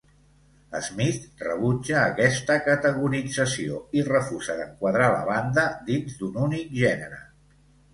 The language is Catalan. Smith rebutja aquesta categorització i refusa d'enquadrar la banda dins d'un únic gènere.